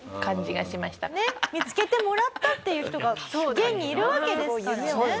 見付けてもらったっていう人が現にいるわけですからね。